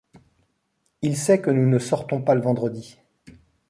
Il sait que nous ne sortons pas le vendredi.